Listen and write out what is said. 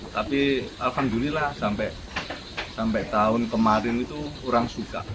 tapi alhamdulillah sampai tahun kemarin itu orang suka